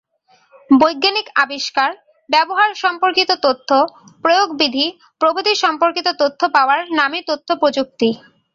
বৈজ্ঞানিক আবিষ্কার, ব্যবহার-সম্পর্কিত তথ্য, প্রয়োগবিধি প্রভৃতি সম্পর্কিত তথ্য পাওয়ার নামই তথ্যপ্রযুক্তি।